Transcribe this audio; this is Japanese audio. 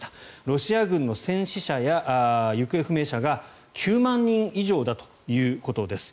ロシア軍の戦死者や行方不明者が９万人以上だということです。